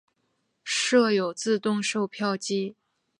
设有自动售票机。